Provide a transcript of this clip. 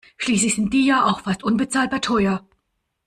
Schließlich sind die ja auch fast unbezahlbar teuer.